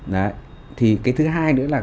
đấy thì cái thứ hai nữa là